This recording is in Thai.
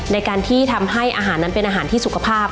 ในการที่ทำให้อาหารนั้นเป็นอาหารที่สุขภาพ